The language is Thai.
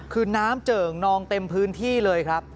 คือน้ำเจิ่งนองเต็มพื้นที่เลยครับ